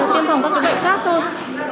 tiêm phòng có cái bệnh khác thôi